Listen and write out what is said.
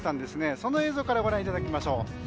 その映像からご覧いただきましょう。